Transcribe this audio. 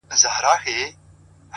اې ښكلي پاچا سومه چي ستا سومه _